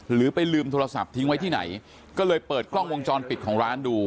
หรือไปลืมโทรศัพท์ทิ้งไว้ที่ไหนก็เลยเปิดกล้องวงจรปิดของร้านดู